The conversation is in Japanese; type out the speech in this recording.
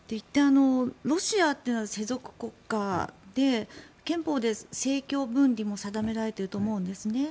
ロシアっていうのは世俗国家で憲法で政教分離も定められていると思うんですね。